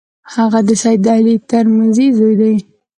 هغه د سید علي ترمذي زوی وو.